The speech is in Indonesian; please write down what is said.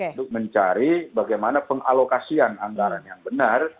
untuk mencari bagaimana pengalokasian anggaran yang benar